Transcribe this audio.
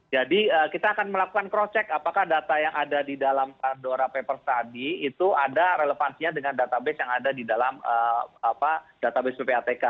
jadi kita akan melakukan cross check apakah data yang ada di dalam pandora papers tadi itu ada relevansinya dengan database yang ada di dalam database ppatk